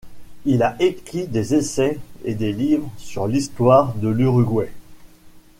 Il a écrit des essais et des livres sur l'histoire de l'Uruguay.